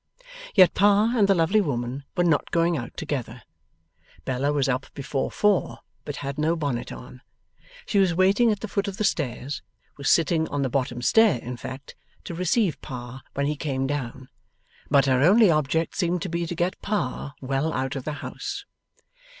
Yet Pa and the lovely woman were not going out together. Bella was up before four, but had no bonnet on. She was waiting at the foot of the stairs was sitting on the bottom stair, in fact to receive Pa when he came down, but her only object seemed to be to get Pa well out of the house.